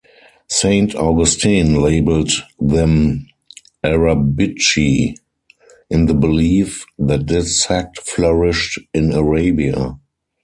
Saint Augustine labelled them "Arabici" in the belief that this sect flourished in Arabia.